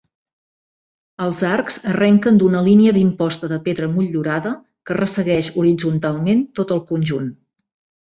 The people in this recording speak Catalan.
Els arcs arrenquen d'una línia d'imposta de pedra motllurada que ressegueix horitzontalment tot el conjunt.